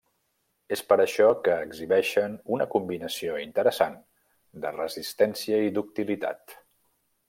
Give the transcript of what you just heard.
És per això que exhibeixen una combinació interessant de resistència i ductilitat.